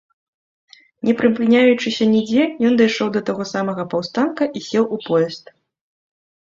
Не прыпыняючыся нідзе, ён дайшоў да таго самага паўстанка і сеў у поезд.